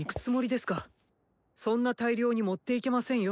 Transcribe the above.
そんな大量に持っていけませんよ。